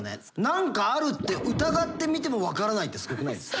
「何かある！」って疑って見ても分からないってスゴくないですか？